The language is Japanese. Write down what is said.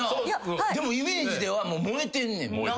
でもイメージでは燃えてんねん。